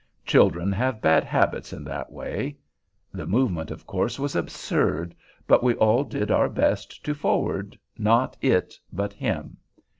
Children have bad habits in that way. The movement, of course, was absurd; but we all did our best to forward, not it, but him.